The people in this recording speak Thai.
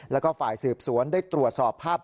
แล้วก็ฝ่ายสืบสวนได้ตรวจสอบภาพ